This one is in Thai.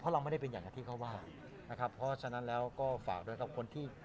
เราไม่ได้เป็นอย่างที่เขาว่านะครับเพราะฉะนั้นแล้วก็ฝากด้วยกับคนที่